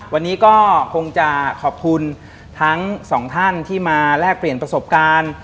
วันนี้ก็คงจะขอบคุณทั้งสองท่านที่มาแลกเปลี่ยนประสบการณ์